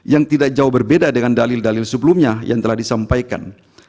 yang tidak jauh berbeda dengan dalil dalil sebelumnya yang telah disampaikan